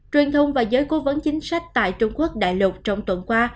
truyền thông và giới cố vấn chính sách tại trung quốc đại lục trong tuần qua